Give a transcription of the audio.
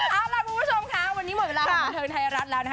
เอาล่ะคุณผู้ชมค่ะวันนี้หมดเวลาของบันเทิงไทยรัฐแล้วนะคะ